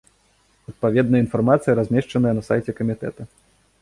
Адпаведная інфармацыя размешчаная на сайце камітэта.